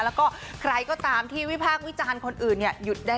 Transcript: แล้วก็ใครก็ตามที่วิพากษ์วิจารณ์คนอื่นหยุดได้